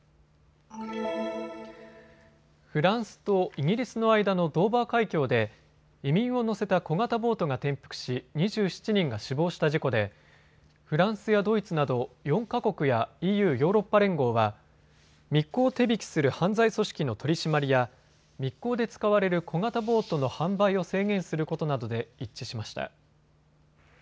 フランスとイギリスの間のドーバー海峡で移民を乗せた小型ボートが転覆し２７人が死亡した事故でフランスやドイツなど４か国やＥＵ・ヨーロッパ連合は密航を手引きする犯罪組織の取締りや密航で使われる小型ボートの販売を制限することなどで一致しました。